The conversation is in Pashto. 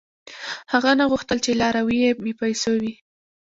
• هغه نه غوښتل، چې لاروي یې بېپېسو وي.